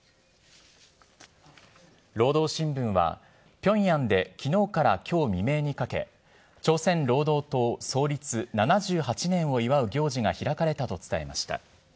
労働新聞は、ピョンヤンできのうからきょう未明にかけ、朝鮮労働党創立７８年を祝う行事が開かれたと伝えました。